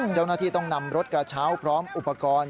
เจ้าหน้าที่ต้องนำรถกระเช้าพร้อมอุปกรณ์